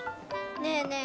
ねえねえ